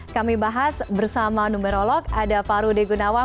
kami bahas bersama numerolog ada parudi gunawan